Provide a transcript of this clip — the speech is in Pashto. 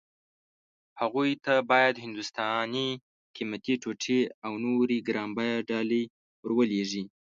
هغوی ته باید هندوستاني قيمتي ټوټې او نورې ګران بيه ډالۍ ور ولېږي.